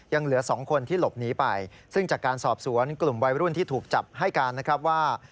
ยังเหลือสองคนที่หลบหนีไปซึ่งจากการสอบสวนกลุ่มวัยรุ่นที่ถูกจับให้การนะครับว่า